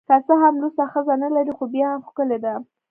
که څه هم لوڅه ښځه نلري خو بیا هم ښکلې ده